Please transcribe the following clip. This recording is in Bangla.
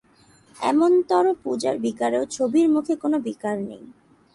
এমনতরো পূজার বিকারেও ছবির মূখে কোনো বিকার নেই।